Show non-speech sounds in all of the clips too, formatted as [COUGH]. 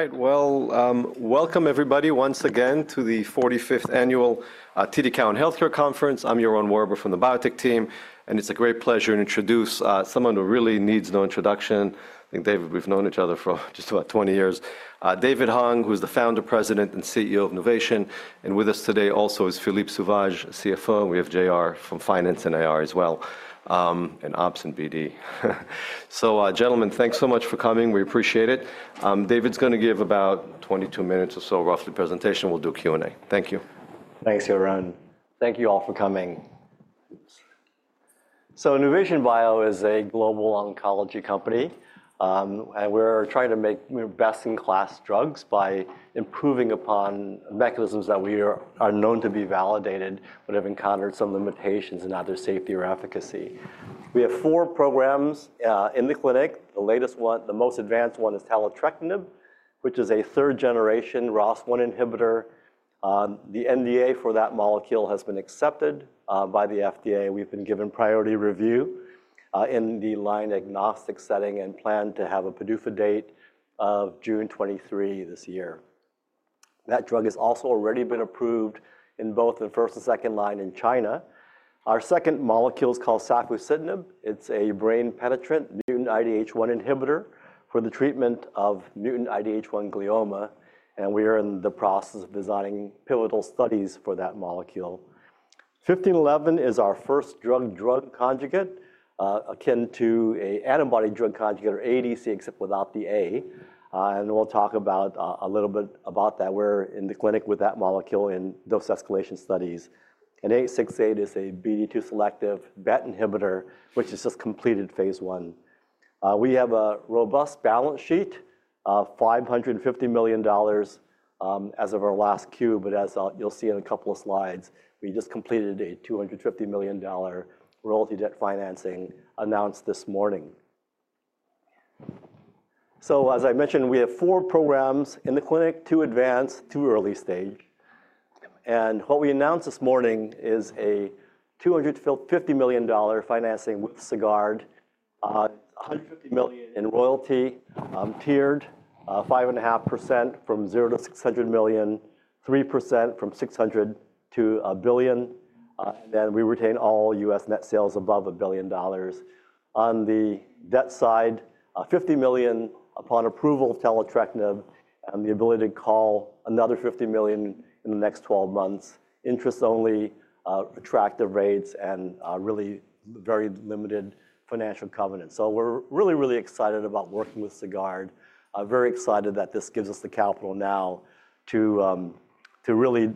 All right, welcome everybody once again to the 45th Annual TD Cowen Healthcare Conference. I'm your own Warren from the Biotech team, and it's a great pleasure to introduce someone who really needs no introduction. I think, David, we've known each other for just about 20 years. David Hung, who is the founder, president, and CEO of Nuvation Bio. With us today also is Philippe Sauvage, CFO. We have JR from Finance and AR as well, and Ops and BD. Gentlemen, thanks so much for coming. We appreciate it. David's going to give about 22 minutes or so, roughly, presentation. We'll do Q&A. Thank you. Thanks, Jorunn. Thank you all for coming. Nuvation Bio is a global oncology company, and we're trying to make best-in-class drugs by improving upon mechanisms that we are known to be validated but have encountered some limitations in either safety or efficacy. We have four programs in the clinic. The latest one, the most advanced one, is Taletrectinib, which is a third-generation ROS1 inhibitor. The NDA for that molecule has been accepted by the FDA. We've been given priority review in the line-agnostic setting and plan to have a PDUFA date of June 23 this year. That drug has also already been approved in both the first and second line in China. Our second molecule is called Safusidenib. It's a brain penetrant mutant IDH1 inhibitor for the treatment of mutant IDH1 glioma, and we are in the process of designing pivotal studies for that molecule. 1511 is our first drug-drug conjugate, akin to an antibody-drug conjugate or ADC, except without the A. We'll talk about a little bit about that. We're in the clinic with that molecule in dose escalation studies. 868 is a BD2-selective BET inhibitor, which has just completed phase one. We have a robust balance sheet of $550 million as of our last Q. As you'll see in a couple of slides, we just completed a $250 million royalty debt financing announced this morning. As I mentioned, we have four programs in the clinic: two advanced, two early stage. What we announced this morning is a $250 million financing with Sagard, $150 million in royalty, tiered 5.5% from zero to $600 million, 3% from $600 million to $1 billion. We retain all U.S. net sales above $1 billion. On the debt side, $50 million upon approval of Taletrectinib and the ability to call another $50 million in the next 12 months, interest-only, attractive rates, and really very limited financial covenants. We are really, really excited about working with Sagard. Very excited that this gives us the capital now to really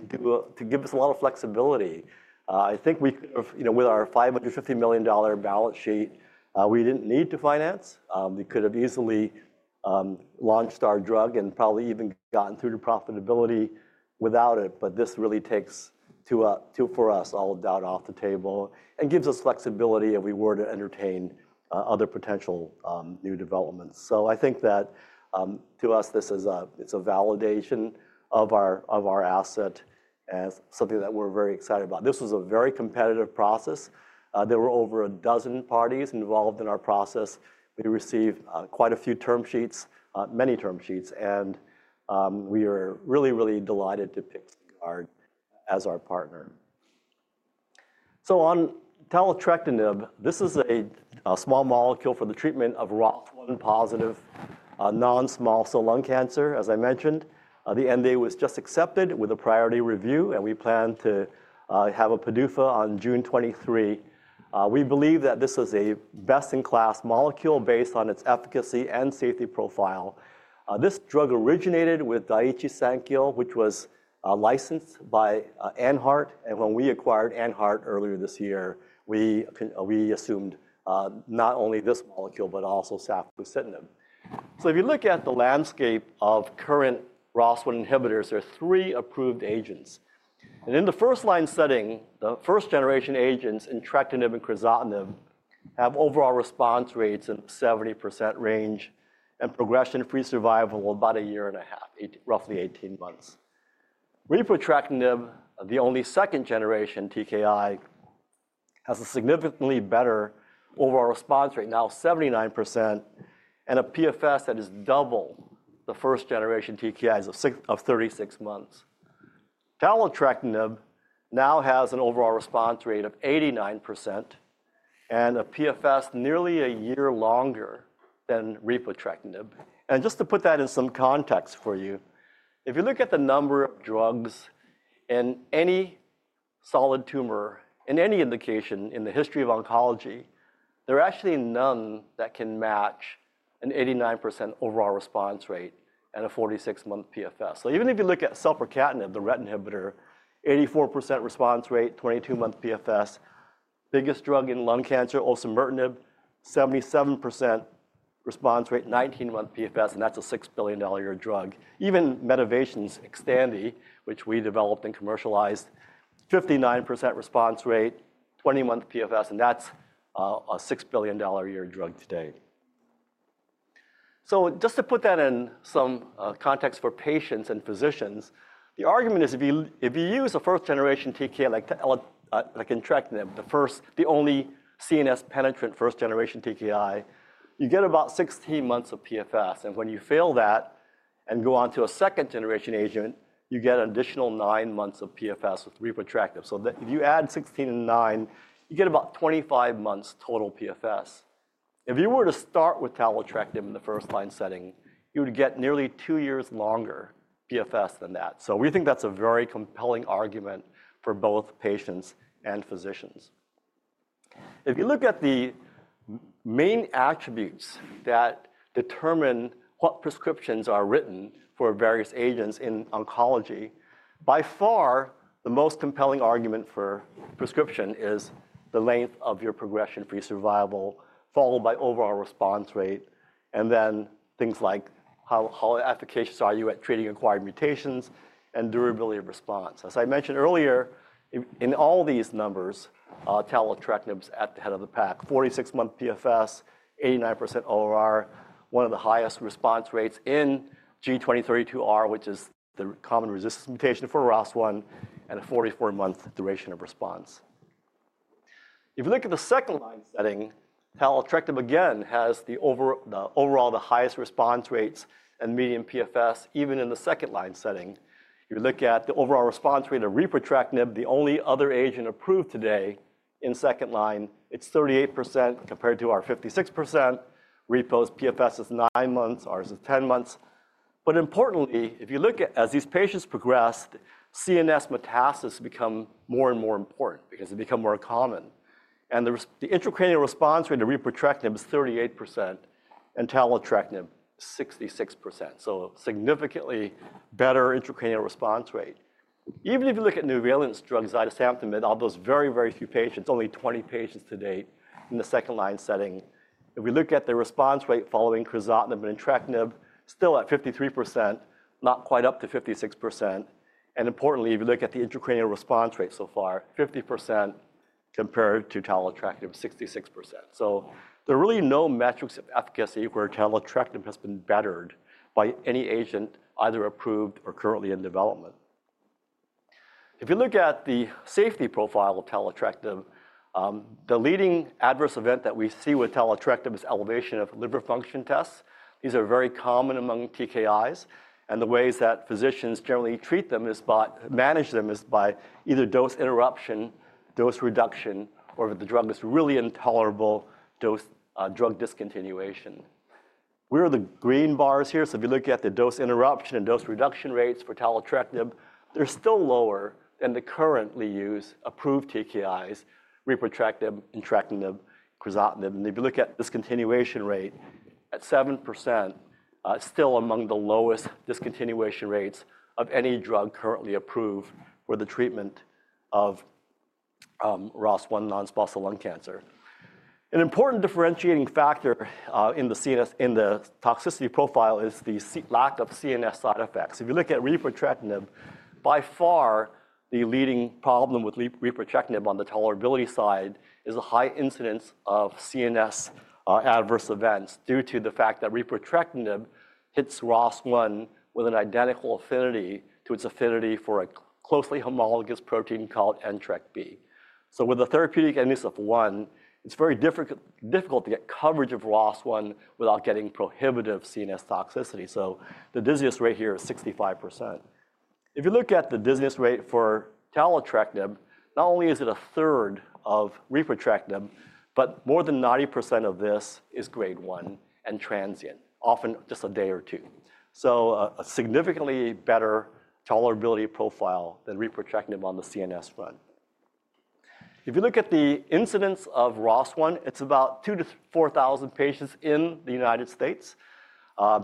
give us a lot of flexibility. I think with our $550 million balance sheet, we did not need to finance. We could have easily launched our drug and probably even gotten through to profitability without it. This really takes for us all doubt off the table and gives us flexibility if we were to entertain other potential new developments. I think that to us, it is a validation of our asset and something that we are very excited about. This was a very competitive process. There were over a dozen parties involved in our process. We received quite a few term sheets, many term sheets, and we are really, really delighted to pick Sagard as our partner. On Taletrectinib, this is a small molecule for the treatment of ROS1 positive non-small cell lung cancer. As I mentioned, the NDA was just accepted with a priority review, and we plan to have a PDUFA on June 23. We believe that this is a best-in-class molecule based on its efficacy and safety profile. This drug originated with Daiichi Sankyo, which was licensed by AnHeart, and when we acquired AnHeart earlier this year, we assumed not only this molecule but also Safusidenib. If you look at the landscape of current ROS1 inhibitors, there are three approved agents. In the first line setting, the first-generation agents, Entrectinib and Crizotinib, have overall response rates in the 70% range and progression-free survival of about a year and a half, roughly 18 months. Repotrectinib, the only second-generation TKI, has a significantly better overall response rate, now 79%, and a PFS that is double the first-generation TKIs of 36 months. Taletrectinib now has an overall response rate of 89% and a PFS nearly a year longer than Repotrectinib. Just to put that in some context for you, if you look at the number of drugs in any solid tumor, in any indication in the history of oncology, there are actually none that can match an 89% overall response rate and a 46-month PFS. Even if you look at Selpercatinib, the RET inhibitor, 84% response rate, 22-month PFS, biggest drug in lung cancer, Osimertinib, 77% response rate, 19-month PFS, and that's a $6 billion-a-year drug. Even Medivation's Xtandi, which we developed and commercialized, 59% response rate, 20-month PFS, and that's a $6 billion-a-year drug today. Just to put that in some context for patients and physicians, the argument is if you use a first-generation TKI like Entrectinib, the only CNS-penetrant first-generation TKI, you get about 16 months of PFS. When you fail that and go on to a second-generation agent, you get an additional nine months of PFS with Repotrectinib. If you add 16 and 9, you get about 25 months total PFS. If you were to start with Taletrectinib in the first-line setting, you would get nearly two years longer PFS than that. We think that's a very compelling argument for both patients and physicians. If you look at the main attributes that determine what prescriptions are written for various agents in oncology, by far the most compelling argument for prescription is the length of your progression-free survival, followed by overall response rate, and then things like how efficacious are you at treating acquired mutations and durability of response. As I mentioned earlier, in all these numbers, Taletrectinib is at the head of the pack: 46-month PFS, 89% ORR, one of the highest response rates in G2032R, which is the common resistance mutation for ROS1, and a 44-month duration of response. If you look at the second line setting, Taletrectinib again has overall the highest response rates and median PFS, even in the second line setting. If you look at the overall response rate of Repotrectinib, the only other agent approved today in second line, it's 38% compared to our 56%. Repo's PFS is nine months. Ours is 10 months. Importantly, if you look at as these patients progress, CNS metastases become more and more important because they become more common. The intracranial response rate of Repotrectinib is 38% and Taletrectinib 66%, so significantly better intracranial response rate. Even if you look at Nuvalent's drugs, Zidesamtinib, all those very, very few patients, only 20 patients to date in the second line setting, if we look at the response rate following crizotinib and entrectinib, still at 53%, not quite up to 56%. Importantly, if you look at the intracranial response rate so far, 50% compared to Taletrectinib, 66%. There are really no metrics of efficacy where Taletrectinib has been bettered by any agent, either approved or currently in development. If you look at the safety profile of Taletrectinib, the leading adverse event that we see with Taletrectinib is elevation of liver function tests. These are very common among TKIs, and the ways that physicians generally treat them is by managing them by either dose interruption, dose reduction, or if the drug is really intolerable, drug discontinuation. We're the green bars here. If you look at the dose interruption and dose reduction rates for Taletrectinib, they're still lower than the currently used approved TKIs: Repotrectinib, entrectinib, crizotinib. If you look at discontinuation rate at 7%, still among the lowest discontinuation rates of any drug currently approved for the treatment of ROS1 non-small cell lung cancer. An important differentiating factor in the toxicity profile is the lack of CNS side effects. If you look at Repotrectinib, by far the leading problem with Repotrectinib on the tolerability side is a high incidence of CNS adverse events due to the fact that Repotrectinib hits ROS1 with an identical affinity to its affinity for a closely homologous protein called NTRECB. With the therapeutic eminence of one, it's very difficult to get coverage of ROS1 without getting prohibitive CNS toxicity. The dizziness rate here is 65%. If you look at the dizziness rate for Taletrectinib, not only is it a third of Repotrectinib, but more than 90% of this is grade 1 and transient, often just a day or two. A significantly better tolerability profile than Repotrectinib on the CNS front. If you look at the incidence of ROS1, it's about 2,000-4,000 patients in the United States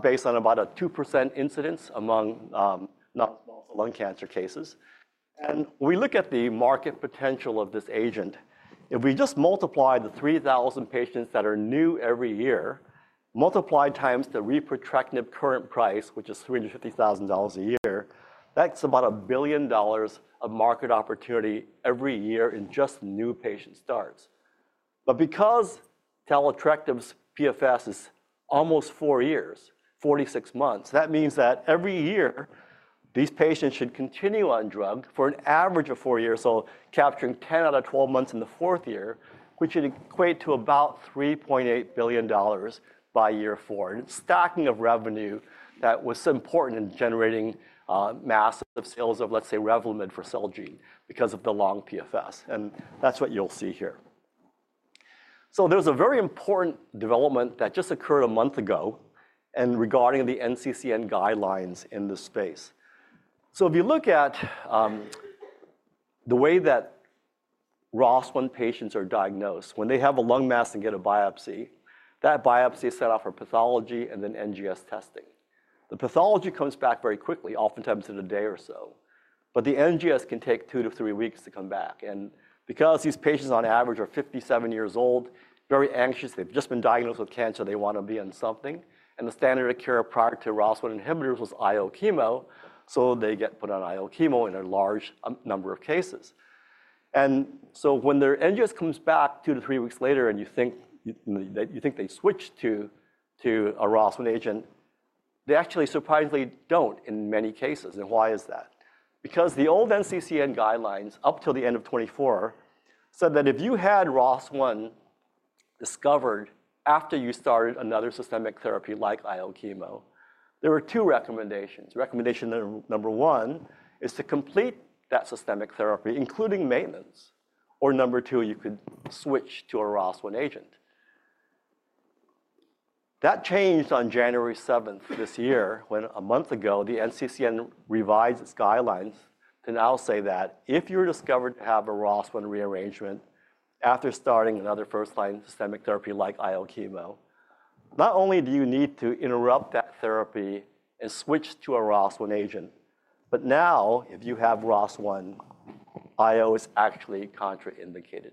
based on about a 2% incidence among non-small cell lung cancer cases. When we look at the market potential of this agent, if we just multiply the 3,000 patients that are new every year, multiply times the Repotrectinib current price, which is $350,000 a year, that's about a billion dollars of market opportunity every year in just new patient starts. Because Taletrectinib's PFS is almost four years, 46 months, that means that every year these patients should continue on drug for an average of four years, so capturing 10 out of 12 months in the fourth year, which should equate to about $3.8 billion by year four. It is stacking of revenue that was so important in generating massive sales of, let's say, Revlimid for Celgene because of the long PFS. That is what you'll see here. There is a very important development that just occurred a month ago regarding the NCCN guidelines in this space. If you look at the way that ROS1 patients are diagnosed, when they have a lung mass and get a biopsy, that biopsy is sent off for pathology and then NGS testing. The pathology comes back very quickly, oftentimes in a day or so. The NGS can take two to three weeks to come back. Because these patients on average are 57 years old, very anxious, they've just been diagnosed with cancer, they want to be on something. The standard of care prior to ROS1 inhibitors was IO chemo, so they get put on IO chemo in a large number of cases. When their NGS comes back two to three weeks later and you think they switched to a ROS1 agent, they actually surprisingly do not in many cases. Why is that? Because the old NCCN guidelines up till the end of 2024 said that if you had ROS1 discovered after you started another systemic therapy like IO chemo, there were two recommendations. Recommendation number one is to complete that systemic therapy, including maintenance. Or number two, you could switch to a ROS1 agent. That changed on January 7 this year when, a month ago, the NCCN revised its guidelines to now say that if you're discovered to have a ROS1 rearrangement after starting another first-line systemic therapy like IO chemo, not only do you need to interrupt that therapy and switch to a ROS1 agent, but now if you have ROS1, IO is actually contraindicated.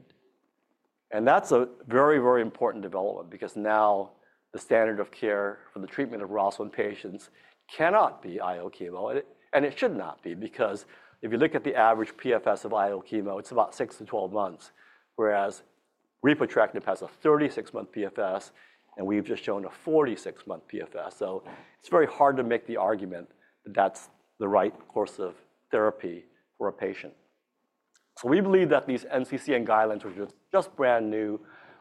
That is a very, very important development because now the standard of care for the treatment of ROS1 patients cannot be IO chemo. It should not be because if you look at the average PFS of IO chemo, it's about 6-12 months, whereas Repotrectinib has a 36-month PFS, and we've just shown a 46-month PFS. It is very hard to make the argument that that's the right course of therapy for a patient. We believe that these NCCN guidelines, which are just brand new,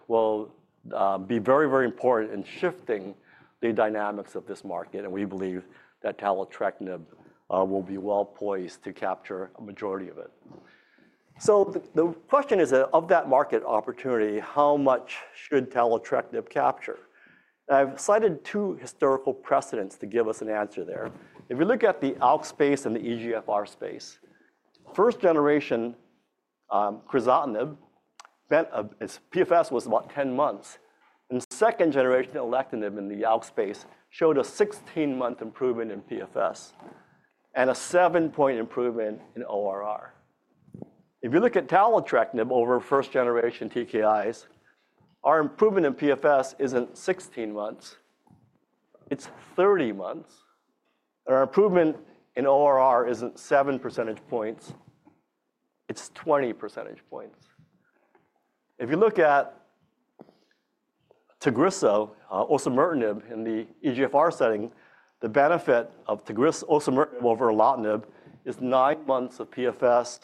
will be very, very important in shifting the dynamics of this market. We believe that Taletrectinib will be well poised to capture a majority of it. The question is, of that market opportunity, how much should Taletrectinib capture? I've cited two historical precedents to give us an answer there. If you look at the ALK space and the EGFR space, first-generation crizotinib meant its PFS was about 10 months. Second-generation Alectinib in the ALK space showed a 16-month improvement in PFS and a 7 percentage point improvement in ORR. If you look at Taletrectinib over first-generation TKIs, our improvement in PFS isn't 16 months. It's 30 months. Our improvement in ORR isn't 7 percentage points. It's 20 percentage points. If you look at Tagrisso, Osimertinib in the EGFR setting, the benefit of Tagrisso, Osimertinib over Afatinib is 9 months of PFS,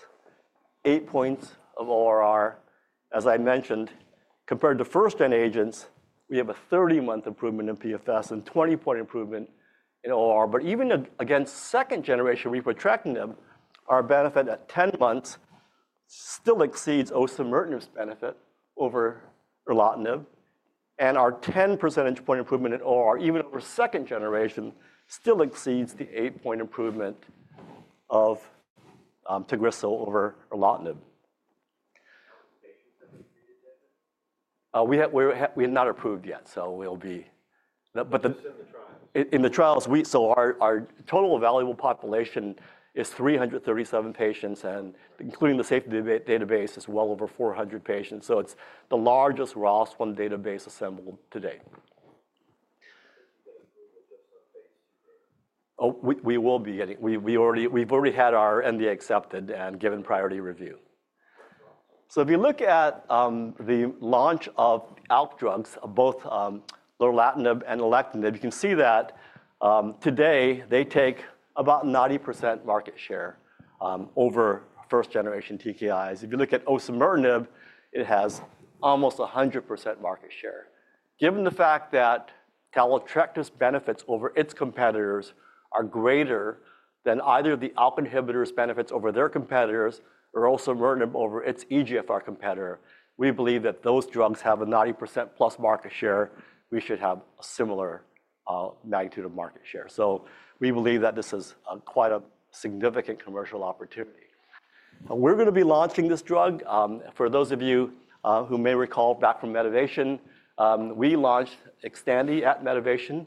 8 percentage points of ORR. As I mentioned, compared to first-line agents, we have a 30-month improvement in PFS and 20 percentage point improvement in ORR. Even against second-generation Repotrectinib, our benefit at 10 months still exceeds Osimertinib's benefit over Afatinib. Our 10 percentage point improvement in ORR, even over second generation, still exceeds the 8 percentage point improvement of Tagrisso over Afatinib. We have not approved yet, so we will be. In the trials, our total valuable population is 337 patients, and including the safety database, it is well over 400 patients. It is the largest ROS1 database assembled to date. We will be getting—we have already had our NDA accepted and given priority review. If you look at the launch of ALK drugs, both Lorlatinib and Alecensa, you can see that today they take about 90% market share over first-generation TKIs. If you look at Tagrisso, it has almost 100% market share. Given the fact that Taletrectinib's benefits over its competitors are greater than either the ALK inhibitor's benefits over their competitors or Tagrisso over its EGFR competitor, we believe that those drugs have a 90%+ market share. We should have a similar magnitude of market share. We believe that this is quite a significant commercial opportunity. We're going to be launching this drug. For those of you who may recall back from Medivation, we launched Xtandi at Medivation.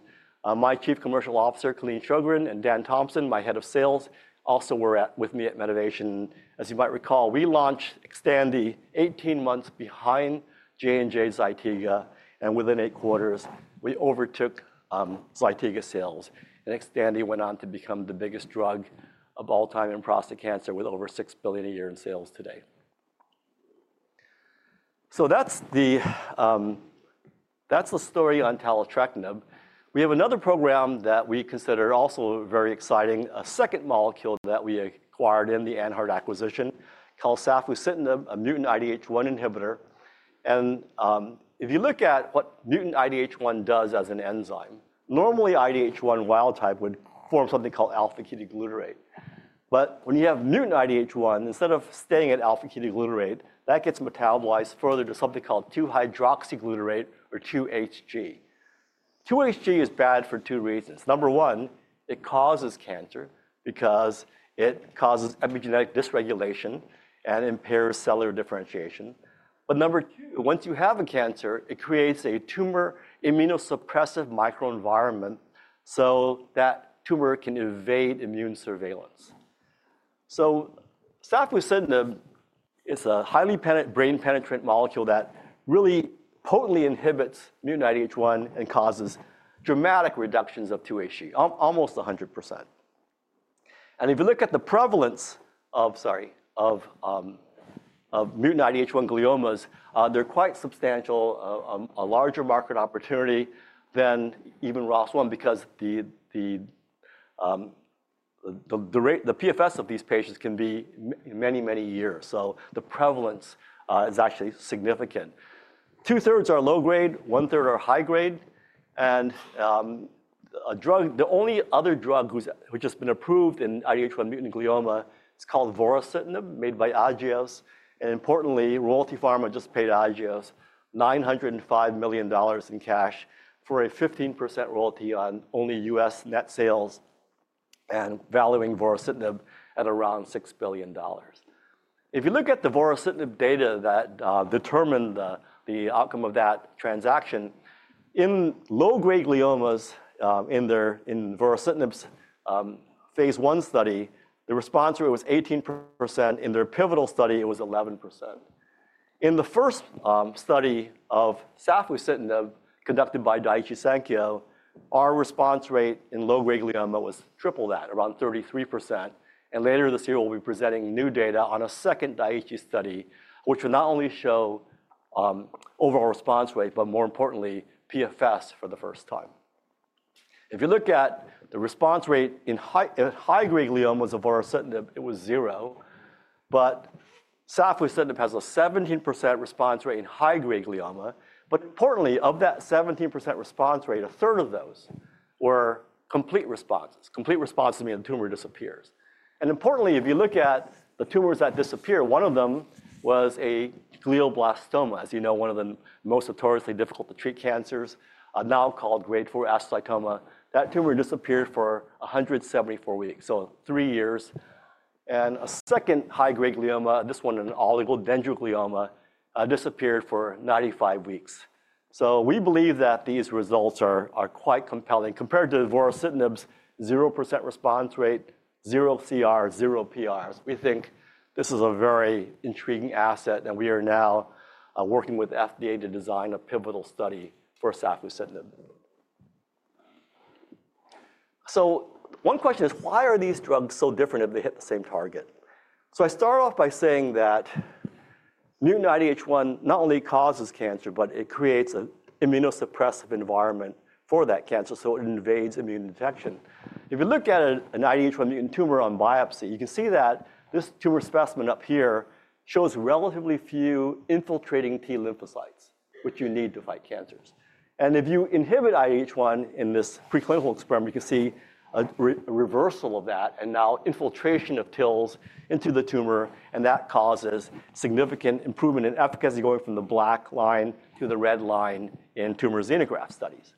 My Chief Commercial Officer, Colleen Sjogren, and Dan Thompson, my Head of Sales, also were with me at Medivation. As you might recall, we launched Xtandi 18 months behind J&J Zytiga and within eight quarters, we overtook Zytiga sales. Xtandi went on to become the biggest drug of all time in prostate cancer with over $6 billion a year in sales today. That is the story on Taletrectinib. We have another program that we consider also very exciting, a second molecule that we acquired in the AnHeart acquisition called Safusidenib, a mutant IDH1 inhibitor. If you look at what mutant IDH1 does as an enzyme, normally IDH1 wild type would form something called alpha-ketoglutarate. When you have mutant IDH1, instead of staying at alpha-ketoglutarate, that gets metabolized further to something called 2-hydroxyglutarate or 2-HG. 2-HG is bad for two reasons. Number one, it causes cancer because it causes epigenetic dysregulation and impairs cellular differentiation. Number two, once you have a cancer, it creates a tumor immunosuppressive microenvironment so that tumor can evade immune surveillance. Safusidenib is a highly brain-penetrating molecule that really potently inhibits mutant IDH1 and causes dramatic reductions of 2-HG, almost 100%. If you look at the prevalence of mutant IDH1 gliomas, they're quite substantial, a larger market opportunity than even ROS1 because the PFS of these patients can be many, many years. The prevalence is actually significant. Two-thirds are low-grade, one-third are high-grade. The only other drug which has been approved in IDH1 mutant glioma is called Vorasidenib, made by Agios. Importantly, Royalty Pharma just paid Agios $905 million in cash for a 15% royalty on only U.S. net sales and valuing Vorasidenib at around $6 billion. If you look at the Vorasidenib data that determined the outcome of that transaction, in low-grade gliomas in Vorasidenib's phase one study, the response rate was 18%. In their pivotal study, it was 11%. In the first study of Safusidenib conducted by Daiichi Sankyo, our response rate in low-grade glioma was triple that, around 33%. Later this year, we'll be presenting new data on a second Daiichi study, which will not only show overall response rate, but more importantly, PFS for the first time. If you look at the response rate in high-grade gliomas of Vorasidenib, it was zero. Safusidenib has a 17% response rate in high-grade glioma. Importantly, of that 17% response rate, a third of those were complete responses. Complete response means the tumor disappears. Importantly, if you look at the tumors that disappeared, one of them was a glioblastoma, as you know, one of the most notoriously difficult-to-treat cancers, now called grade 4 astrocytoma. That tumor disappeared for 174 weeks, so three years. A second high-grade glioma, this one an oligodendroglioma, disappeared for 95 weeks. We believe that these results are quite compelling. Compared to Vorasidenib's 0% response rate, 0 CR, 0 PRs, we think this is a very intriguing asset. We are now working with the FDA to design a pivotal study for Safusidenib. One question is, why are these drugs so different if they hit the same target? I start off by saying that mutant IDH1 not only causes cancer, but it creates an immunosuppressive environment for that cancer, so it invades immune detection. If you look at an IDH1 tumor on biopsy, you can see that this tumor specimen up here shows relatively few infiltrating T lymphocytes, which you need to fight cancers. If you inhibit IDH1 in this preclinical experiment, you can see a reversal of that and now infiltration of TILs into the tumor. That causes significant improvement in efficacy going from the black line to the red line in tumor xenograft studies.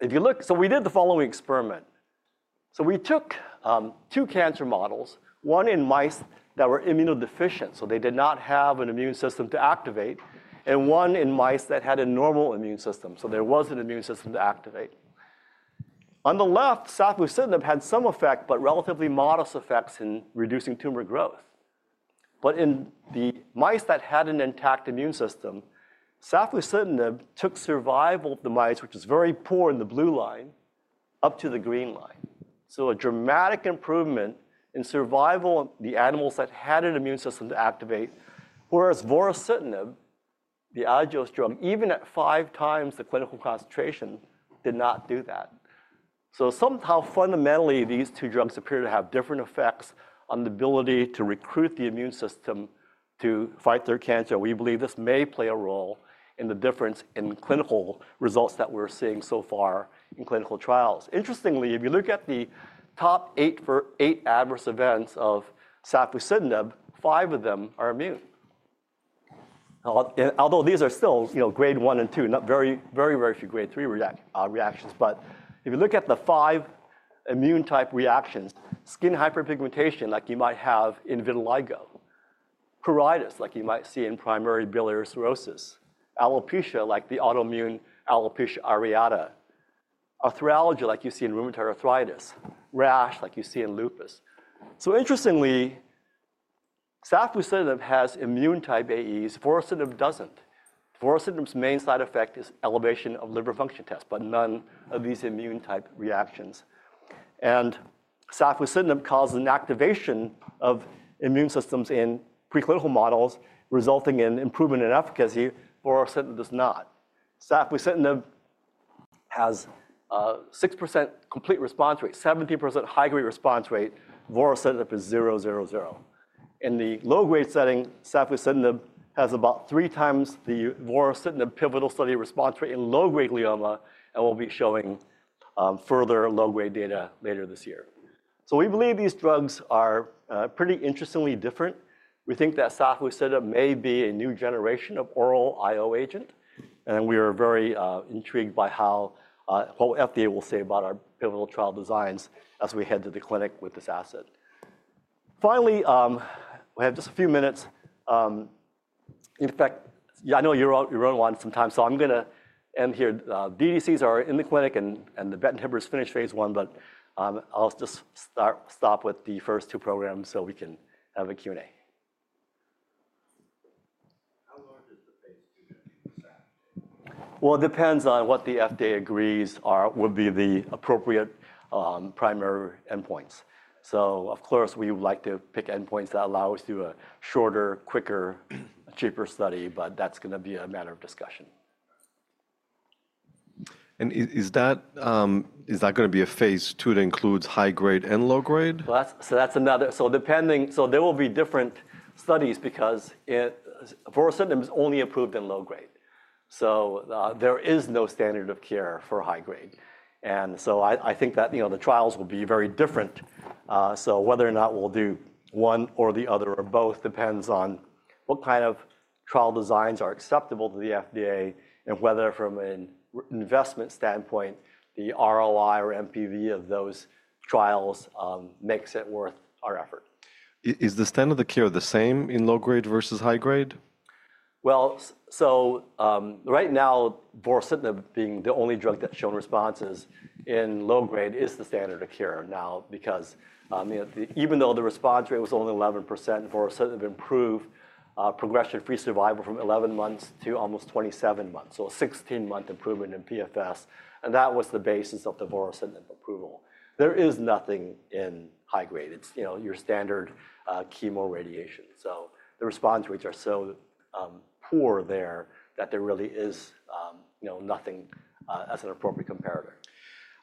If you look, we did the following experiment. We took two cancer models, one in mice that were immunodeficient, so they did not have an immune system to activate, and one in mice that had a normal immune system, so there was an immune system to activate. On the left, Safusidenib had some effect, but relatively modest effects in reducing tumor growth. In the mice that had an intact immune system, Safusidenib took survival of the mice, which is very poor in the blue line, up to the green line. A dramatic improvement in survival of the animals that had an immune system to activate, whereas Vorasidenib, the Agios drug, even at five times the clinical concentration, did not do that. Somehow, fundamentally, these two drugs appear to have different effects on the ability to recruit the immune system to fight their cancer. We believe this may play a role in the difference in clinical results that we're seeing so far in clinical trials. Interestingly, if you look at the top eight adverse events of Safusidenib, five of them are immune. Although these are still grade 1 and 2, very, very, very few grade 3 reactions. If you look at the five immune-type reactions, skin hyperpigmentation like you might have in vitiligo, pruritus like you might see in primary biliary cirrhosis, alopecia like the autoimmune alopecia areata, arthralgia like you see in rheumatoid arthritis, rash like you see in lupus. Interestingly, Safusidenib has immune-type AEs. Vorasidenib does not. Vorasidenib's main side effect is elevation of liver function tests, but none of these immune-type reactions. Safusidenib causes an activation of immune systems in preclinical models, resulting in improvement in efficacy. Vorasidenib does not. Safusidenib has a 6% complete response rate, 17% high-grade response rate. Vorasidenib is 0, 0, 0. In the low-grade setting, Safusidenib has about three times the Vorasidenib pivotal study response rate in low-grade glioma, and we'll be showing further low-grade data later this year. We believe these drugs are pretty interestingly different. We think that Safusidenib may be a new generation of oral IO agent. We are very intrigued by what the FDA will say about our pivotal trial designs as we head to the clinic with this asset. Finally, we have just a few minutes. In fact, I know you're running out of time, so I'm going to end here. DDCs are in the clinic, and the BET inhibitors finished phase one. I'll just stop with the first two programs so we can have a Q&A. How large is the phase two going to be for SAF? It depends on what the FDA agrees would be the appropriate primary endpoints. Of course, we would like to pick endpoints that allow us to do a shorter, quicker, cheaper study. That's going to be a matter of discussion. Is that going to be a phase two that includes high-grade and low-grade? That's another. There will be different studies because Vorasidenib is only approved in low-grade. There is no standard of care for high-grade. I think that the trials will be very different. Whether or not we'll do one or the other or both depends on what kind of trial designs are acceptable to the FDA and whether, from an investment standpoint, the ROI or MPV of those trials makes it worth our effort. Is the standard of care the same in low-grade versus high-grade? Right now, Vorasidenib being the only drug that's shown responses in low-grade is the standard of care now because even though the response rate was only 11%, Vorasidenib improved progression-free survival from 11 months to almost 27 months, so a 16-month improvement in PFS. That was the basis of the Vorasidenib approval. There is nothing in high-grade. It's your standard chemo radiation. The response rates are so poor there that there really is nothing as an appropriate comparator.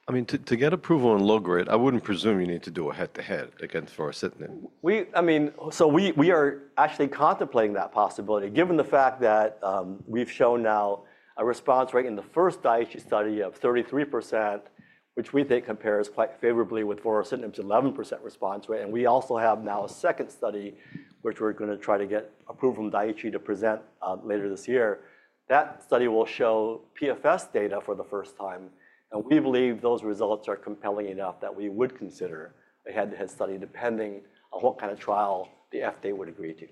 I mean, to get approval in low-grade, I wouldn't presume you need to do a head-to-head against Vorasidenib. I mean, we are actually contemplating that possibility given the fact that we've shown now a response rate in the first Daiichi study of 33%, which we think compares quite favorably with Vorasidenib's 11% response rate. We also have now a second study, which we're going to try to get approval from Daiichi to present later this year. That study will show PFS data for the first time. We believe those results are compelling enough that we would consider a head-to-head study depending on what kind of trial the FDA would agree to.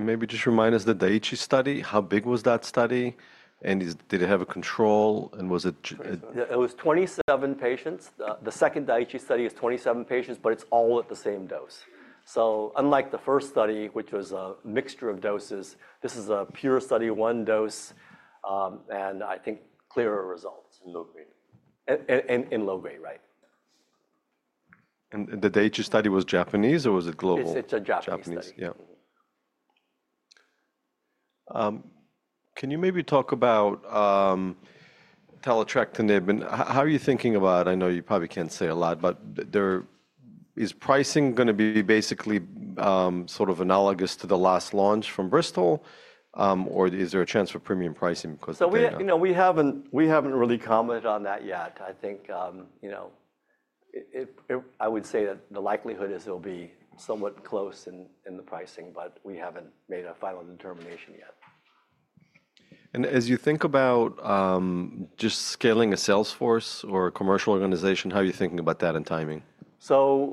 Maybe just remind us the Daiichi study. How big was that study? Did it have a control? It was 27 patients. The second Daiichi study is 27 patients, but it's all at the same dose. Unlike the first study, which was a mixture of doses, this is a pure study, one dose, and I think clearer results in low-grade. In low-grade, right? The Daiichi study was Japanese, or was it global? It's a Japanese study. Japanese, yeah. Can you maybe talk about Taletrectinib? How are you thinking about it? I know you probably can't say a lot, but is pricing going to be basically sort of analogous to the last launch from Bristol, or is there a chance for premium pricing because. We haven't really commented on that yet. I think I would say that the likelihood is it'll be somewhat close in the pricing, but we haven't made a final determination yet. As you think about just scaling a Salesforce or a commercial organization, how are you thinking about that and timing?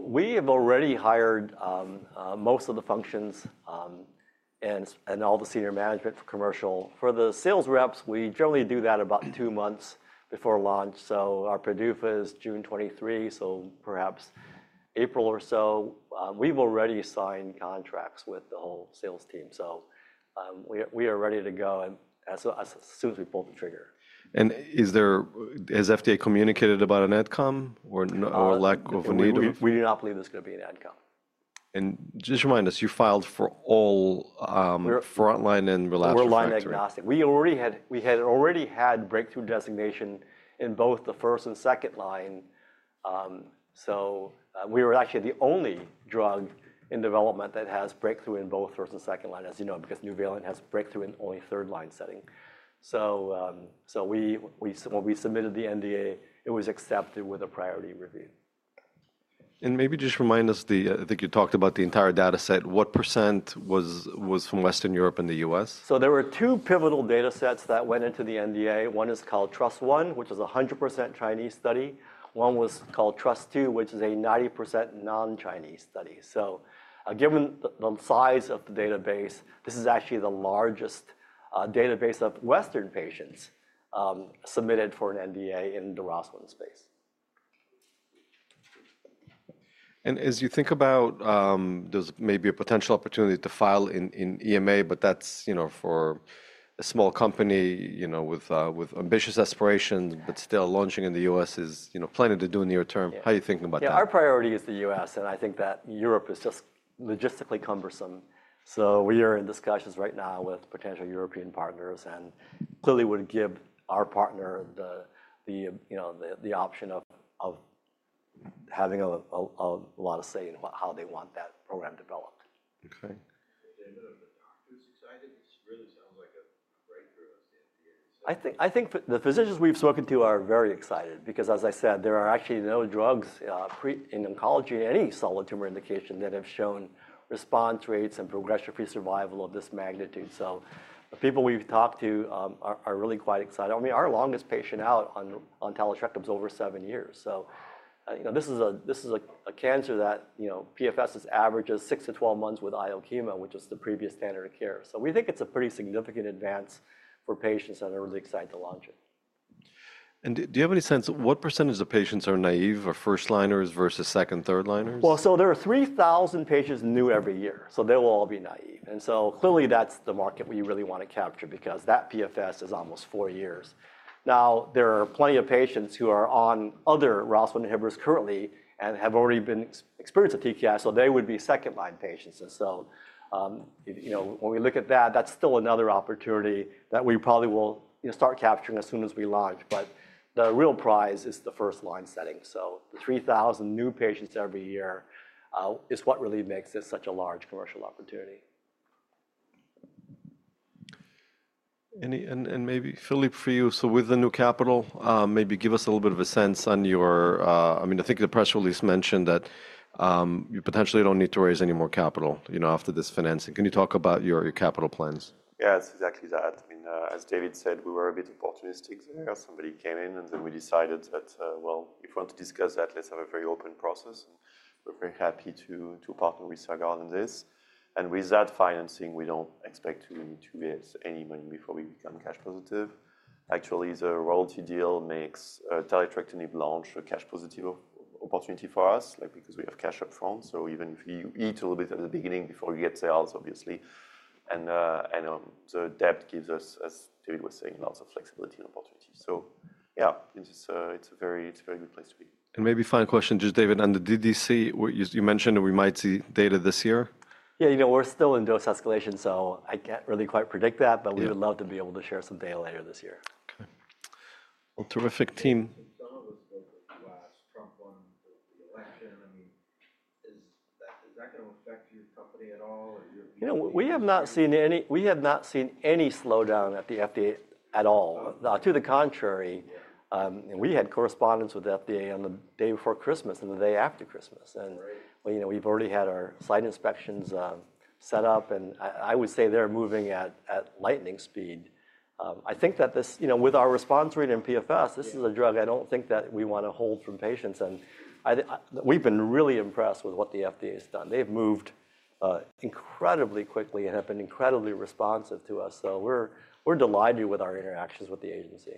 We have already hired most of the functions and all the senior management for commercial. For the sales reps, we generally do that about two months before launch. Our PDUFA is June 23, so perhaps April or so. We've already signed contracts with the whole sales team. We are ready to go as soon as we pull the trigger. Has FDA communicated about an Adcom or lack of a need? We do not believe there's going to be an Adcom. Just remind us, you filed for all frontline and relative? We're line agnostic. We had already had breakthrough designation in both the first and second line. We were actually the only drug in development that has breakthrough in both first and second line, as you know, because Nuvalent has breakthrough in only third line setting. When we submitted the NDA, it was accepted with a priority review. Maybe just remind us, I think you talked about the entire data set. What % was from Western Europe and the U.S.? There were two pivotal data sets that went into the NDA. One is called Trust One, which is a 100% Chinese study. One was called Trust Two, which is a 90% non-Chinese study. Given the size of the database, this is actually the largest database of Western patients submitted for an NDA in the ROS1 space. As you think about, there's maybe a potential opportunity to file in EMA, but that's for a small company with ambitious aspirations, but still launching in the U.S. is plenty to do near term. How are you thinking about that? Yeah, our priority is the U.S. And I think that Europe is just logistically cumbersome. We are in discussions right now with potential European partners and clearly would give our partner the option of having a lot of say in how they want that program developed. Okay. Is there a bit of the doctors excited? This really sounds like a breakthrough of the FDA. [AUDIO DISTORTION] I think the physicians we've spoken to are very excited because, as I said, there are actually no drugs in oncology in any solid tumor indication that have shown response rates and progression-free survival of this magnitude. The people we've talked to are really quite excited. I mean, our longest patient out on Taletrectinib is over seven years. This is a cancer that PFS averages 6-12 months with IO chemo, which is the previous standard of care. We think it's a pretty significant advance for patients and are really excited to launch it. Do you have any sense of what percentage of patients are naive or first-liners versus second, third-liners? There are 3,000 patients new every year. They will all be naive. Clearly, that's the market we really want to capture because that PFS is almost four years. There are plenty of patients who are on other ROS1 inhibitors currently and have already experienced a TKI, so they would be second-line patients. When we look at that, that's still another opportunity that we probably will start capturing as soon as we launch. The real prize is the first-line setting. The 3,000 new patients every year is what really makes it such a large commercial opportunity. Maybe, Philippe, for you, with the new capital, maybe give us a little bit of a sense on your, I mean, I think the press release mentioned that you potentially do not need to raise any more capital after this financing. Can you talk about your capital plans? Yeah, it's exactly that. I mean, as David said, we were a bit opportunistic. Somebody came in, and then we decided that, if we want to discuss that, let's have a very open process. We're very happy to partner with Sagard on this. With that financing, we do not expect to need to raise any money before we become cash positive. Actually, the royalty deal makes Taletrectinib launch a cash positive opportunity for us because we have cash upfront. Even if you eat a little bit at the beginning before you get sales, obviously. The debt gives us, as David was saying, lots of flexibility and opportunity. Yeah, it is a very good place to be. Maybe final question, just David, on the DDC, you mentioned we might see data this year. Yeah, we are still in dose escalation, so I cannot really quite predict that. We would love to be able to share some data later this year. Terrific team. Some of us spoke of the last Trump one with the election. I mean, is that going to affect your company at all or your views? [AUDIO DISTORTION] We have not seen any slowdown at the FDA at all. To the contrary, we had correspondence with the FDA on the day before Christmas and the day after Christmas. We have already had our site inspections set up. I would say they're moving at lightning speed. I think that with our response rate in PFS, this is a drug I don't think that we want to hold from patients. We have been really impressed with what the FDA has done. They've moved incredibly quickly and have been incredibly responsive to us. We are delighted with our interactions with the agency.